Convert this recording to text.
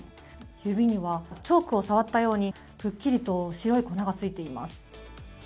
指にはチョークを触ったかのように白い粉がついています。